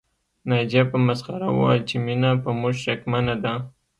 ناجيې په مسخره وويل چې مينه په موږ شکمنه ده